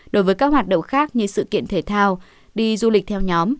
đối với các hoạt động khác như sự kiện thể thao đi du lịch theo nhóm